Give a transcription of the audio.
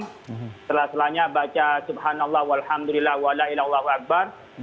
setelah selanjutnya baca subhanallah walhamdulillah walailahu akbar